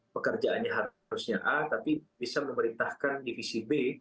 pekerjaannya harusnya a tapi bisa memerintahkan divisi b